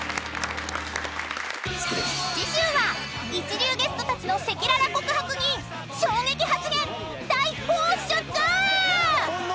［次週は一流ゲストたちの赤裸々告白に衝撃発言大放出！］